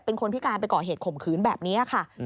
เป็นคนพิการไปก่อเหตุข่มขืนแบบนี้ค่ะ